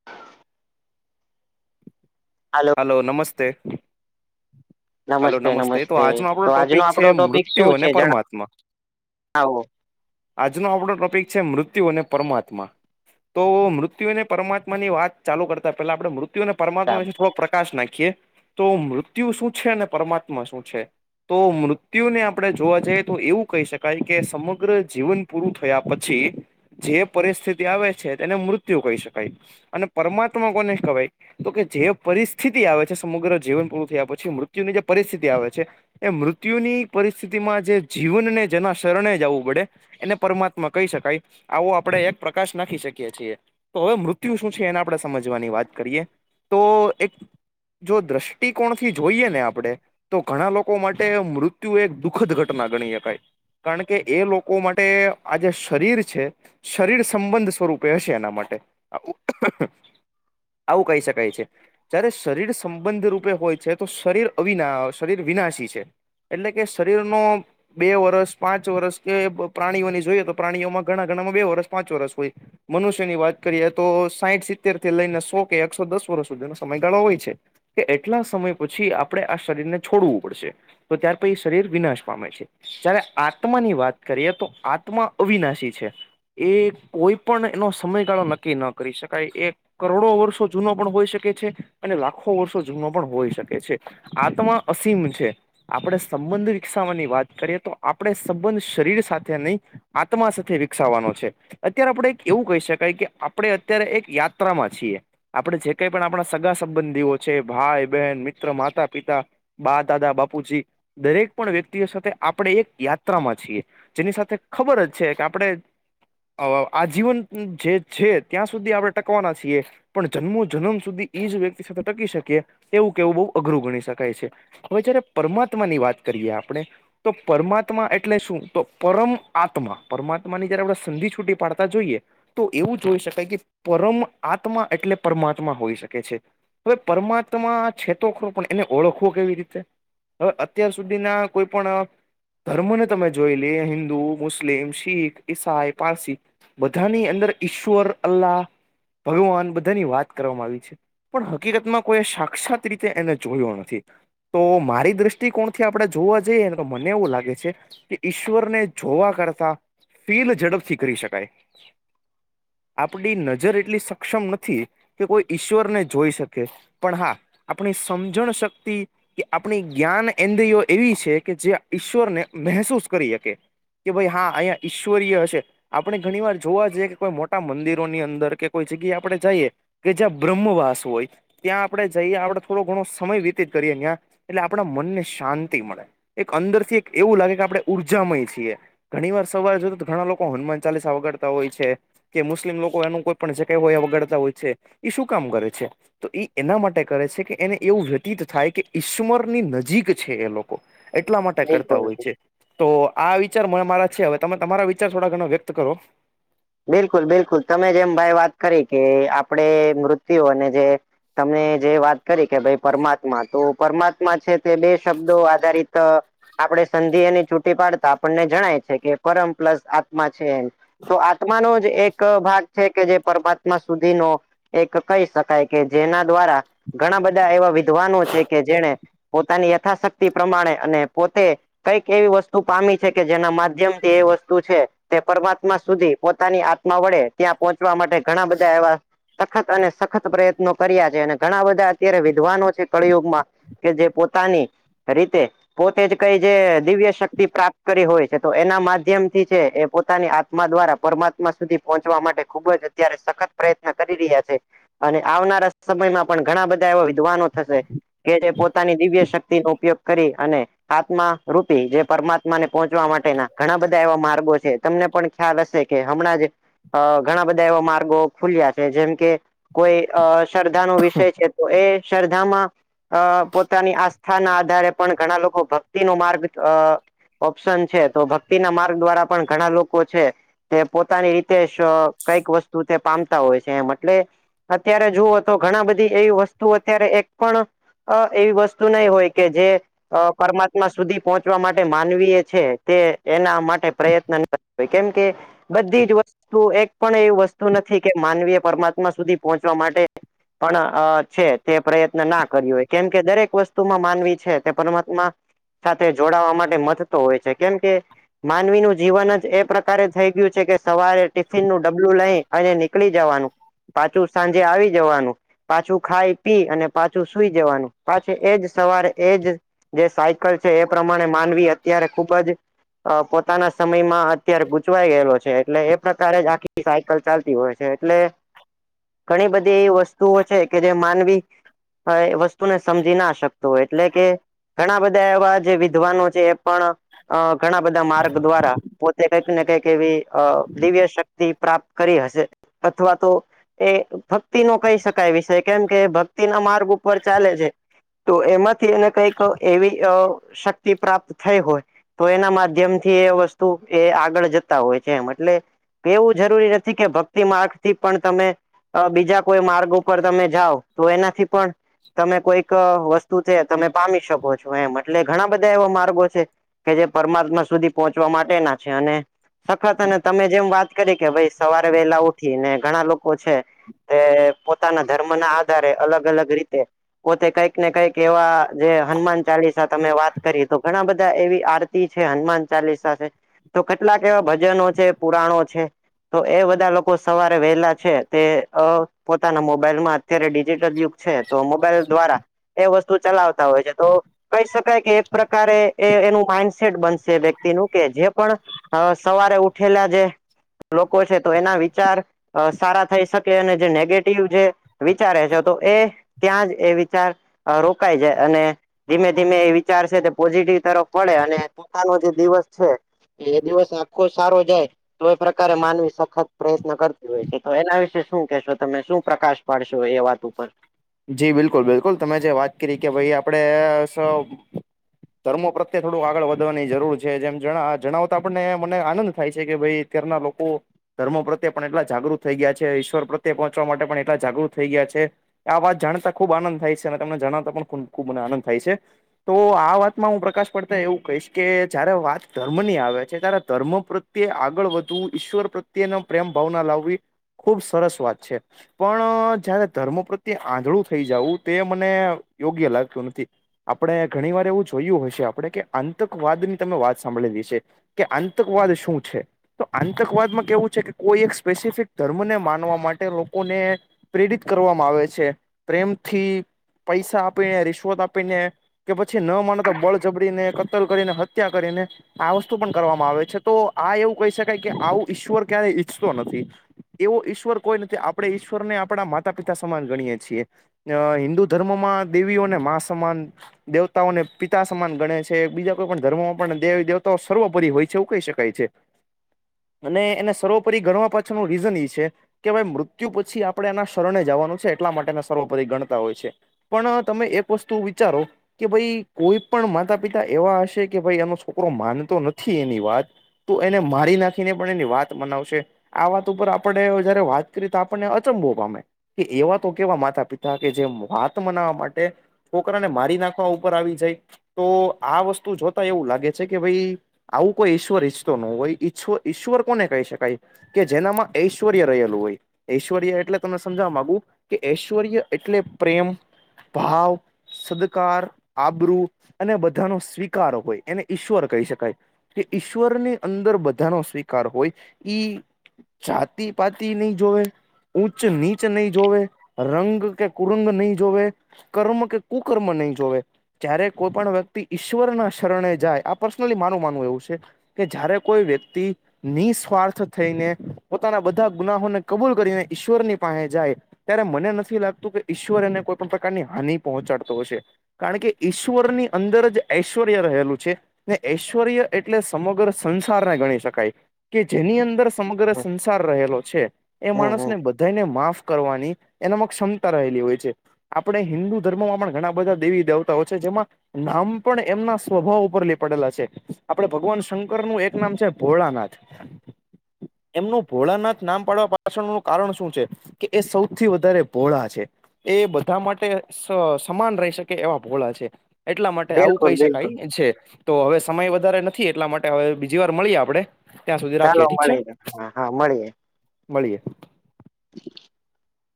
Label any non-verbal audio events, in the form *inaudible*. *inaudible* હાલો hello નમસ્તે hello નમસ્તે તો આજનો આપણો તો આજનો ટોપિક છે આપણો ટોપિક મૃત્યુ શું અને છે પરમાત્મા જણાવો આજનો આપણો ટોપિક છે મૃત્યુ અને પરમાત્મા તો મૃત્યુને પરમાત્માની વાત ચાલુ કરતા પેલા આપણેે મૃત મૃત્યુ અને પરમાત્મા સાહેબ. વિશે થોડો પ્રકાશ નાખીએ તો મૃત્યુ શું છે ને પરમાત્મા શું છે. તો મૃત્યુને આપણે જોવા જઈએ તો એવું કહી શકાય કે સમગ્ર જીવન પૂરું થયા પછી જે પરિસ્થિતિ આવે છે, તેને મૃત્યુ કહી શકાય, અને પરમાત્મા કોને કહેવાય તો કે જે પરિસ્થિતિ આવે છે સમગ્ર જીવન પૂરું થયા પછી મૃત્ મૃત્યુની જે પરિસ્થિતિ આવે છે. એ મૃત્યુની પરિસ્થિતિમાં જે જીવનને જેના શરણે જાવું પડે, એને પરમાત્મા કહી શકાય આવો આપણે એક પ્રકાશ નાખી શકીયએ છીએ, તો હવે મૃત્યુ શું છે એને આપણે સમજવાની વાત કરીએ તો એક જો દ્રષ્ટિકોણથી જોઈએ ને આપડે તો ઘણા લોકો માટે મૃત્યુ એક દુઃખદ ઘટના ગણી શકાય, કારણ કે એ લોકો માટે આ જે શરીર છે. શરીર સંબંધ સ્વરૂપે હશે એના માટે આવું કહી શકાય છે જયારે શરીર સંબંધ રૂપે હોય છે તો શરીર અવીના શરીર વિનાશી છે એટલે કે શરીરનો બે વર્ષ પાંચ વર્ષ કે પ્રાણીઓની જોયએ તો પ્રાણીઓમાં ઘણા ઘણામાં બે વર્ષ પાંચ વર્ષ હોય મનુષ્યની વાત કરીએ તો સાઈઠ સિત્તેર થી લઈને સો કે એકસો દસ વર્ષ સુધીનો સમયગાળો હોય છે. કે એટલા સમય પછી આપ આપણે આ શરીરને છોડવું પડશે તો ત્યાર પછી શરીર વિનાશ પામે છે. જયારે આત્માની વાત કરીએ તો આત્મા અવિનાશી છે. એ કોઈ પણ એનો સમયગાળો નક્કી ન કરી શકાય એ કરોડો વર્ષો જૂનો પણ હોઈ શકે છે અને લાખો વર્ષો જૂનો પણ હોઈ શકે છે. આત્મા અસીમ છે. આપણે સંબંધ વિકસાવવાની વાત કરીએ તો આપણે સંબંધ શરીર સાથે નઈ આત્મા સાથે વિકસાવવાનો છે. અત્યારે આપણે એવું કહી શકાય કે આપણે એક યાત્રામાં છીએ આપડે જે કંઈ પણ આપણા સગા સંબંધીઓ છે ભાઈ, બહેન, મિત્ર, માતા-પિતા બા દાદા બાપુજી દરેક પણ વ્યક્તિઓ સાથે આપણે એક યાત્રામાં છીએ જેની સાથે ખબર જ છે કે આપડે આજીવન જે છે ત્યાં સુધી આપણે ટકવાના છીએ પણ જન્મો જનમ સુધી ઈજ વ્યક્તિ સાથે ટકી શકીએ એવું કેવું બહુ અઘરું ગણી શકાય છે. હવે જયારે પરમાત્માની વાત કરીએ આપણે તો પરમાત્મા એટલે શું તો પરમ આત્મા પરમાત્માની જયારે આપણે સંધિ છૂટી પાડતા જોઈએ તો એવું જોઈ શકાય કે પરમ આત્મા એટલે પરમાત્મા હોઈ શકે છે. હવે પરમાત્મા છે *unintelligible* પણ એને ઓળખવો કેવી રીતે હવે અત્યાર સુધીના કોઈ પણ ધર્મને તમે જોઈ લે હિન્દુ મુસ્લિમ, શીખ, ઈસાઈ, પારસી બધાની અંદર ઈશ્વર અલ્લાહ ભગવાન બધાની વાત કરવામાં આવી છે પણ હકીકતમાં કોઈ સાક્ષાત રીતે એને જોયો નથી તો મારી દ્રષ્ટિકોણથી આપણે જોવા જઈએ ને તો મને એવું લાગે છે કે ઈશ્વરને જોવા કરતા, ફીલ ઝડપથી કરી શકાય. આપડી નજર એટલી સક્ષમ નથી. કે કોઈ ઈશ્વર ને જોઈ શકે, પણ હા આપણી સમજણ શક્તિ કે આપણી જ્ઞાન એન્દ્રિયો એવી છે કે, જે ઈશ્વરને મહેસૂસ કરી શકે. કે ભાઈ હા અહીંયા ઈશ્વરીય છે. આપણે ઘણી વાર જોવા જઈએ, કે કોઈ મોટા મંદિરોની અંદર કે કોઈ જગ્યાએ આપણે જઈએ કે જ્યાં બ્રહ્મવાસ હોય ત્યાં આપણે જઈએ આપડ થોડો ઘણો સમય વીતિત કરીએ ત્યાં, એટલે આપણા મનને શાંતિ મળે. એક અંદર થી એક એવું લાગે કે આપડે ઉર્જામય છીએ. ઘણી વાર સવાર જોતો, તો ઘણા લોકો હનુમાન ચાલીસા આવગડતા હોય છે. કે મુસ્લિમ લોકો એનું કોઈ પણ જગ્યા હોય વગડતા હોય છે, એ શું કામ કરે છે? તો ઇ એના માટે કરે છે કે એને એવું વ્યતીત થાય કે ઈશ્મરની નજીક છે એ લોકો, એટલા માટે કરતા બિલકુલ હોય છે. તો આ વિચાર માર મારા છે, હવે તમે તમારા વિચાર થોડા ઘણા વ્યક્ત કરો. બિલકુલ બિલકુલ, તમે જેમ ભાઈ વાત કરી કે આપણે મૃત્યુને જે તમને જે વાત કરી કે ભાઈ, પરમાત્મા તો પરમાત્મા છે તે બે શબ્દો આધારિત આપણે સંધિયે ની છૂટી પાડતા આપણને જણાય છે કે પરમ પ્લસ આત્મા છે એમ તો આ ત્મા નો જ એક ભાગ છે કે જે પરમાત્મા સુધીનો એક કહી શકાય કે જેના દ્વારા ઘણા બધા એવા વિદ્વાનો છે કે જેને પોતાની યથાશક્તિ પ્રમાણે, અને પોતે કંઈક એવી વસ્તુ પામી છે, કે જેના માધ્યમ થી એ વસ્તુ છે તે પરમાત્મા સુધી પોતાની આત્મા વડે ત્યાં પહોંચવા માટે ઘણા બધા એવા સખત અને સખત પ્રયત્નો કર્યા છે, અને ઘણા બધા અત્યારે વિદ્વાનો છે કળિયુગમાં કે જે પોતાની રીતે પોતે જ કઈ જે દિવ્ય શક્તિ પ્રાપ્ત કરી હોય છે, તો એના માધ્યમ થી છે એ પોતાની આત્મા દ્વારા પરમાત્મા સુધી પહોંચવા માટે, ખુબ જ અત્યારે સખત પ્રયત્ન કરી રહ્યા છે. અને આવનારા સમયમાં પણ ઘણા બધા એવા વિદ્વાનો થશે કે જે પોતાની દિવ્ય શક્તિ નો ઉપયોગ કરી અને આત્મા રૂપી જે પરમાત્મા ને પહોંચવા માટેના ઘણા બધા એવા માર્ગો છે, તમને પણ ખ્યાલ હશે કે હમણાં જ ઘણા બધા માર્ગો ખુલ્યા છે, જેમકે કોઈ અ શ્ર્ધાનો વિષય છે તો એ શ્ર્ધામાં અ પોતાની આસ્થા ના આધારે પણ ઘણા લોકો ભક્તિનો માર્ગ અ ઓપ્શન છે, તો ભક્તિ ના માર્ગ દ્વારા પણ ઘણા લોકો છે તે પોતાની રીતે જ કઈક વસ્તુ તે પામતા હોય છે એમ, એટલે અત્યારે જુઓ તો ઘણા બધી એવી વસ્તુ અત્યારે એક પણ અ એવી વસ્તુ નહી હોય કે, જે અ પરમાત્મા સુધી પહોંચવા માટે માનવીય છે તે એના પ્રયત્ન ભઇ કેમ કે બધી જ વસ્તુ એક પણ એવી વસ્તુ નથી કે માનવીય પરમાત્મા સુધી પહોંચવા માટે પણ અ છે તે પ્રયત્ન ના કર્યો હોય કેમ કે દરેક વસ્તુમાં માનવી છે તે પરમાત્મા સાથે જોડાવા માટે મથતો હોય છે, કેમ કે માનવી ન જીવન જ એ પ્રકારે થઈ ગયું છે કે સવારે ટિફિન નું ડબલું લઈ અને નીકળી જવાનું. પાછું સાંજે આવી જવાનું. પાછું ખાય પી અને પાછું સુઈ જવાનું, પાછી એજ સવારે એજ જે સાયકલ છે, એ પ્રમાણે માનવી અત્યારે ખુબ જ પો તાના સમયમાં અત્યારે ભૂજ થયેલો છે, એટલે એ પ્રકારે જ આખી સાયકલ ચાલતી હોય છે, એટલે ઘણી બધી એવી વસ્તુઓ છે કે જે માનવી એ વસ્તુને સમજી ના શકતો હોય, એટલે કે ઘણા બધા એવા જે વિદ્વાનો છે. એ પણ અ ઘણા બધા માર્ગ દ્વારા પોતે કઈક એમને કઈક એવી અ દિવ્ય શક્તિ પ્રાપ્ત કરી હશે અથવા તો એ ભક્તિ નો કહી શકાય વિષય, કેમ કે ભક્તિ ના માર્ગ ઉપર ચાલે છે. તો એમાંથી એને કઈક અ એવી અ શક્તિ પ્રાપ્ત થઈ હોય. તો એના માધ્યમ થી એ વસ્તુ એ આગળ જતા હોય છે, એમ એટલે એવું જરૂરી નથી કે ભક્તિ માર્ગ થી પણ તમે અ બીજા કોઈ માર્ગ ઉપર તમે જાઓ તો એનાથી પણ તમે કોઈક એક વસ્તુ છે, તમે પામી શકો છો એમ એટલે, ઘણા બધા એવા માર્ગો છે. કે જે પરમાત્મા સુધી પહોંચવા માટેના છે અને સખત અને તમે જેમ વાત કરી કે ભાઈ સવારે વેલા ઉઠી ને ઘણા લોકો છે. તે પોતાના ધર્મ ના આધારે અલગ-અલગ રીતે પોતે કઈક ને કઈક એવા જે હનુમાન ચાલીસા તમે વાત કરી તો ઘણા બધા એવી આરતી છે, હનુમાન ચાલીસા છે તો કેટલાક એવા ભજનો છે, પુરાણો છે. તો એ બધા લોકો સવારે વહેલા છે, તે અ પોતાના મોબાઈલ માં અત્યારે ડિજિટલ યુગ છે, તો મોબાઈલ દ્વારા એ વસ્તુ ચલાવતા હોય છે, તો કહી શકાય કે એક પ્રકારે એ એનું માઇન્ડસેટ બનશે એ વ્યક્તિનું, કે જે પણ અ.. સવારે ઉઠેલા જે લોકો છે, તો એના વિચાર અ સારા થઈ શકે અને જે નેગેટિવ જે વિચારે છે, તો એ ત્યાં જ એ વિચાર અ રોકાાય જાય અને ધીમે-ધીમે એ વિચાર છે તે પોઝિટિવ તરફ વળે અને પોતાનો જે દિવસ છે એ દિવસ આખો સારો જાય. તો એ પ્રકારે માનવી સખત પ્રયત્ન કરતી હોય છે, તો એના વિશે શું કેશો તમે? શું પ્રકાશ પાડશો એ વાત ઉપર જી બિલકુલ-બિલકુલ તમે જે વાત કરી કે ભાઈ આપણે સૌ ધર્મો પ્રત્યે થોડું આગળ વધવાની જરૂર છે, જેમ જ જણાવતા આપણને મને આનંદ થાય છે કે ભાઈ અત્યાર ના લોકો ધર્મ પ્રત્યે પણ એટલા જાગૃત થઈ ગયા છે, ઇશ્વર પ્રત્યે પહોચ માટે એટલા જાગૃત થઈ ગયા છે. આ વાત જાણતા ખુબ આનંદ થાય છે અને તમને જણાવતા પણ ખૂબ-ખૂબ મને આનંદ થાય છે. તો આ વાતમાં હું પ્રકાશ પડતા એવું કહીશ કે, જયારે વાત ધર્મ ની આવે છે, ત્યારે ધર્મ પ્રત પ્રત્યે આગળ વધવું, ઈશ્વર પ્રત્યેના પ્રેમ ભાવના લાવવી ખુબ સરસ વાત છે. પણ, જયારે ધર્મો પ્રત્યે આંધળું થઈ જવું તે મને યોગ્ય લાગતું નથી. આપણે ઘણી વાર એવું જોયું હશે આપણે કે, આતંકવાદ ની તમે વાત સાંભળેલી છે. કે આતંકવાદ શું છે? તો આતંકવાદમાં કેવું છે, કે કોઈ એક સ્પેસિફિક ધર્મને માનવા માટે લો કોને પ્રેરિત કરવામાં આવે છે, પ્રેમથી પૈસા આપી, રિસ્વત આપીને કે પછી ન માને તો બળ જબડીને, કત્તલ કરીને હત્યા કરીને આ વસ્તુ પણ કરવામાં આવે છે, તો આ એવું કહી શકાય કે આવું ઈશ્વર ક્યારેય ઈચ્છતો નથી. એવો ઈશ્વર કોઈ નથી, આપડે ઈશ્વર ને આપડા માતા-પિતા સમાન ગણીએે છીએ. અ હિન્દુ ધર્મમાં દેવીઓને મા સમાન દેવતાઓને પિતા સમાન ગણે છે બીજા કોઈ પણ ધર્મમાં પણ દેવી દેવતાઓ સર્વપરી હોય છે એવું કહી શકાય છે. અને એને સર્વપરી ગણવા પાછળનું રીઝન એ છે કે ભાઈ મૃ ત્યુ પછી આપણે એના શરણે જવાનું છે એટલા માટે સર્વોપરી ગણતા હોય છે. પણ તમે એક વસ્તુ વિચારો કે ભાઈ કોઈ પણ માતા પિતા એવા હશે કે ભાઈ એનો છોકરો માનતો નથી એની વાત તો એને મારી નાખીને પણ એની વાત મનાવશે આ વાતો ઉપર આપણે જયારે વાત કરીએ આપણને અચંભવ પામે કે એવા તો કેવા માતા પિતા કે જે વાત મનાવા માટે છોકરાને મારી નાખવા ઉપર આવી જાય તો આ વસ્તુ જોતા એવું લાગે છે કે ભાઈ આવું કોઈ ઈશ્વર ઈચ્છતો ન હોઈ ઈશ્વર કોને કહી શકાય. કે જેનામાં ઐશ્વર્ય રહેલું હોય. ઐશ્વર્ય એટલે તમને સમજવા માંગું કે ઐશ્વર્ય એટલે પ્રેમ ભાવ સદકાર આબરૂ અને બધાનો સ્વીકાર હોય એને ઈશ્વર કહી શકાય. કે ઈશ્વરની અંદર બધાનો સ્વીકાર હોય ઈ જાતી પાતી નહી જોવે ઊચ્ચ નીચ નહીં જોવે રંગ કે કુરંગ નહીં જોવે કર્મ કે કુકર્મ નહી જોવે જ્યારે કોઈ પણ વ્યક્તિ ઈશ્વરના શરણે જાય આ પર્સનલી મારું માનવું એવું છે. કે જયારે કોઈ વ્યક્તિ નિસ્વાર્થ થઈને પોતાના બધા ગુનાહોને કબૂલ કરીને ઈશ્વરની પાસે જાય. ત્યારે મને નથી લાગતું કે ઈશ્વર એને કોઈ પણ પ્રકારની હાનિ પહોંચાડતો હશે. કારણ કે ઈશ્વરની અંદર જ ઐશ્વર્ય રહેલું છે. ને ઐશ્વર્ય એટલે સમગ્ર સંસારને ગણી શકાય કે જેની અંદર સમગ્ર સંસાર રહેલો છે એ હમ હમ માણસને બધા ને માફ કરવાની એનામાં ક્ષમતા રહેલી હોય છે. આપણે હિન્દુ ધર્મમાં પણ ઘણા બધા દેવી દેવતાઓ છે જેમાં નામ પણ એમના સ્વભાવ ઉપર લે પડેલા છે આપડે ભગવાન શંકરનું એક નામ છે ભોળાનાથ. એમનું ભોળાનાથ નામ પાડવા પા છળનું કારણ શું છે કે એ સૌથી વધારે ભોળા છે. એ બધા માટે સ સમાન રહી શકે એવા ભોળા છે. એટલા માટે આવું બિલકુલ કહી બિલકુલ શકાય છે. તો હવે સમય વધારે નથી એટલા માટે હવે બીજી વાર મળીએ આપડે ત્યાં સુધી ચાલો રાખીએ ઠીક છે મળીએ હા હા મળીએ. મળીએ. *inaudible*